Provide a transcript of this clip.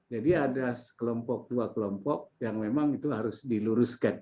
jadi ada kelompok dua kelompok yang memang itu harus diluruskan